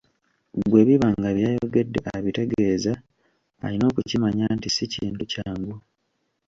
Bwe biba nga bye yayogedde abitegeeza, alina okukimanya nti si kintu kyangu.